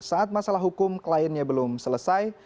saat masalah hukum kliennya belum selesai